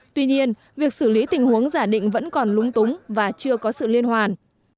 tuy nhiên việc xử lý tình huống giả định vẫn còn lúng túng và chưa có sự liên hoàn